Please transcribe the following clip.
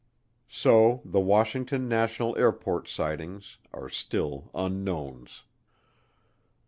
So the Washington National Airport Sightings are still unknowns.